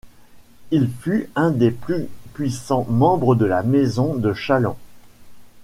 Il fut un des plus puissants membres de la Maison de Challant.